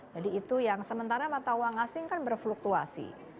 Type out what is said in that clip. jadi itu yang sementara mata uang asing kan berfluktuasi